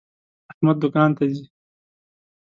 احمد دوکان ته ځي.